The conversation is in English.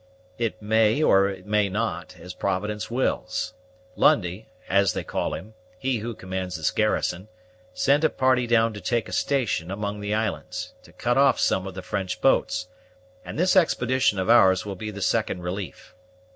"It may or it may not, as Providence wills. Lundie, as they call him, he who commands this garrison, sent a party down to take a station among the islands, to cut off some of the French boats; and this expedition of ours will be the second relief.